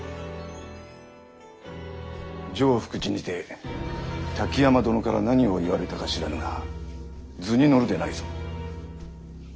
常福寺にて滝山殿から何を言われたか知らぬが図に乗るでないぞ。